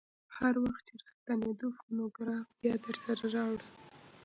هر وخت چې راستنېدې فونوګراف بیا درسره راوړه.